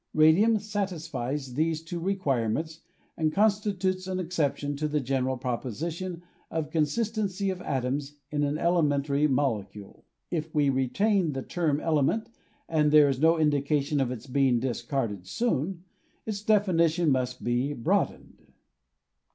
Radium satisfies these two requirements and Constitutes an exception to the general proposition of consistency of atoms in an elemen tary molecule. If we retain the term element, and there is no indication of its being discarded soon, its definition must be broadened.